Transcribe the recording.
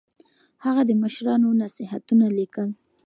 هغه د مشرانو نصيحتونه ليکل.